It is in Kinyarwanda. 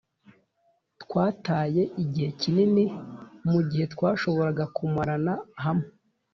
twataye igihe kinini, mugihe twashoboraga kumarana hamwe,